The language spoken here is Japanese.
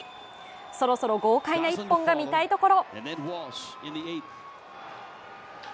そろそろ豪快な一本が見たいところ。